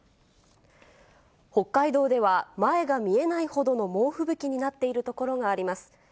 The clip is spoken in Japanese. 北海道では前が見えないほどの猛吹雪になっている所があります。